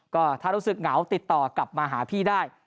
ก็ถ้ารู้สึกเหงาติดต่อกลับมาหาพี่ได้